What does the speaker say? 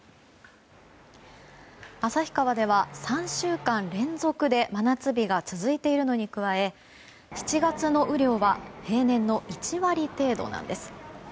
旭川では３週間連続で真夏日が続いているのに加え７月の雨量は平年の１割程度なんです。